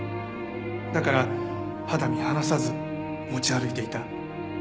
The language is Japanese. だから肌身離さず持ち歩いていた。